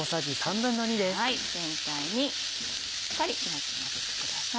全体にしっかりよく混ぜてください。